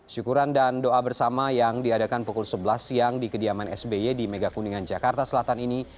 syukuran dan doa bersama yang diadakan pukul sebelas siang di kediaman sby di megakuningan jakarta selatan ini